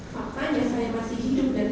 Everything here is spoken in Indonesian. faktanya saya masih hidup dan